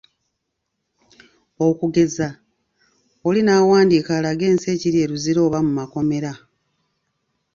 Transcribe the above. Okugeza, oli n'awandiika alage ensi ekiri e Luzira oba mu makomera.